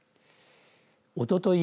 おととい